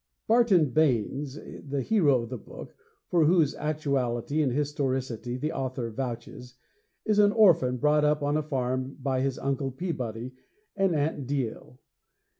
II Barton Baynes, the hero of the book for whose actuality and historicity the author vouches is an orphan brought up on a farm by his Uncle Peabody and Aunt Deel.